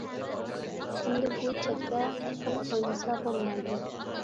يىگىت ئەمدى بۇ چەككە قول قويمىسا بولمايدۇ.